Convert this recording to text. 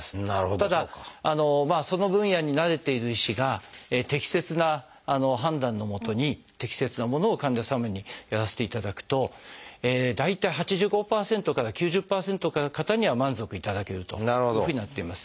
ただその分野に慣れている医師が適切な判断のもとに適切なものを患者様にやらせていただくと大体８５％から９０％の方には満足いただけるというふうになっています。